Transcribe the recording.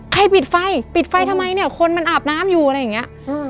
ปิดไฟปิดไฟทำไมเนี่ยคนมันอาบน้ำอยู่อะไรอย่างเงี้ย